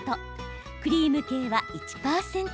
クリーム系は１％。